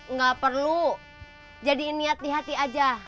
nggak perlu jadiin niat di hati aja